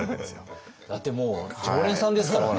だってもう常連さんですからね。